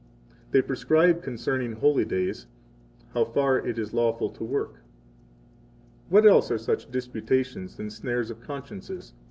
They prescribe concerning holy days, how far it is lawful to work. What else 64 are such disputations than snares of consciences?